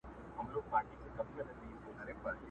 هغه ورځ چي نه لېوه نه قصابان وي؛